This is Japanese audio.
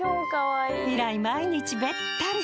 以来毎日べったり！